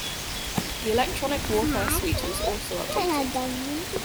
The electronic warfare suite was also updated.